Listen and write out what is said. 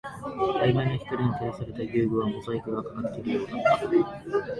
曖昧な光に照らされた遊具はモザイクがかかっているようだった